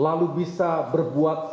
lalu bisa berbuat